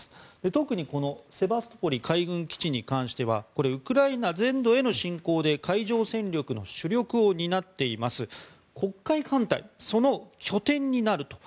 特にこのセバストポリ海軍基地に関してはウクライナ全土への侵攻で海上戦力の主力を担っています黒海艦隊、その拠点になると。